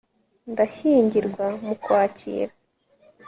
ndashyingirwa mu kwakira